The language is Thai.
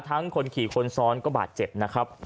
คนขี่คนซ้อนก็บาดเจ็บนะครับ